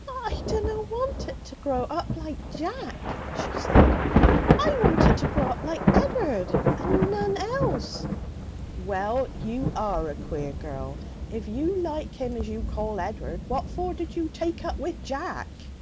'But I dunna want it to grow up like Jack,' she said. 'I want it to grow up like Ed'ard, and none else!' 'Well! You are a queer girl. If you like him as you call Ed'ard what for did you take up with Jack?'